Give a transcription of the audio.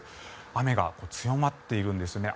雨が強まっているんですね。